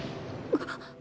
あっ。